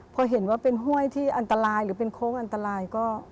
พอเห็นว่าเป็นห้วยที่อันตรายหรือเป็นโค้งอันตรายก็